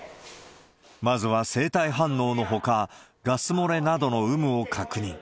まずは生体反応のほか、ガス漏れなどの有無を確認。